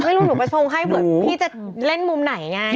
ไม่รู้หนุ่มไปโทรงให้เหมือนพี่จะเล่นมุมไหนไง